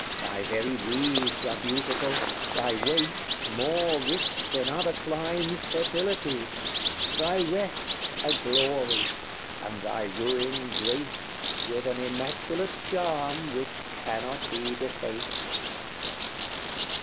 Thy very weeds are beautiful, thy waste More rich than other climes' fertility; Thy wreck a glory, and thy ruin graced With an immaculate charm which cannot be defaced.